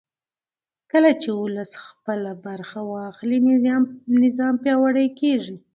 کله چې ولس خپله برخه واخلي نظام پیاوړی کېږي